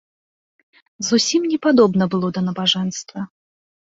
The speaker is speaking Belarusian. Зусім не падобна было да набажэнства.